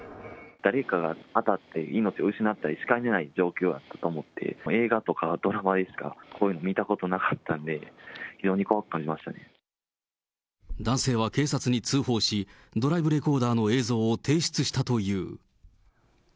誰かに当たって命を失ったりしかねない状況だと思って、映画とかドラマでしか、そういうの見たことなかったので、男性は警察に通報し、ドライブレコーダーの映像を提出したという。